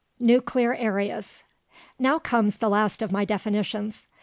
NUCLEAR AREAS Now comes the last of my definitions.